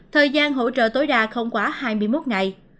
thời gian hỗ trợ tối đa không quá hai mươi một ngày